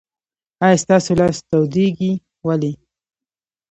آیا ستاسو لاس تودیږي؟ ولې؟